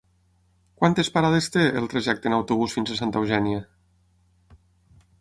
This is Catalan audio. Quantes parades té el trajecte en autobús fins a Santa Eugènia?